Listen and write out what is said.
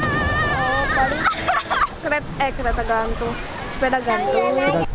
kereta gantung sepeda gantung